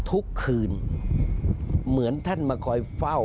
ทุกคืนเหมือนท่านมาคอยเฝ้า